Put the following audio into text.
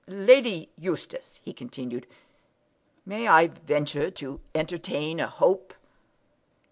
"Lady Eustace," he continued, "may I venture to entertain a hope?"